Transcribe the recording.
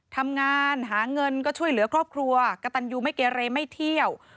ทำงานหาเงินก็ช่วยเหลือครอบครัวกระตันยูไม่เกเรไม่เที่ยว